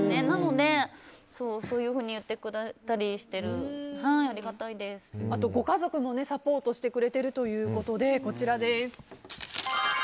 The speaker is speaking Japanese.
なので、そういうふうに言ってくれたりしてご家族もサポートしてくれてるということでこちらです。